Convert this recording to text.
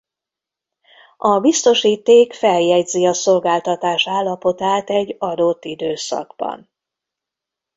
A biztosíték feljegyzi a szolgáltatás állapotát egy adott időszakban.